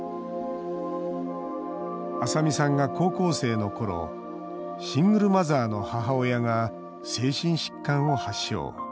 麻未さんが高校生のころシングルマザーの母親が精神疾患を発症。